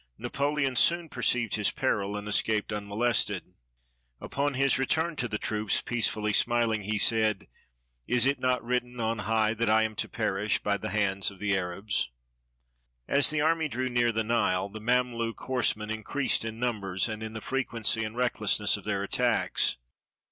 Napoleon soon perceived his peril, and escaped un molested. Upon his return to the troops, peacefully smiHng, he said, "It is not written on high that I am to perish by the hands of the Arabs." As the army drew near the Nile, the Mameluke horse men increased in numbers, and in the frequency and the recklessness of their attacks.